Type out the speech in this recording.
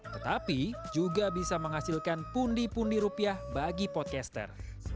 tetapi juga bisa menghasilkan pundi pundi rupiah bagi podcaster